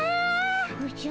おじゃ。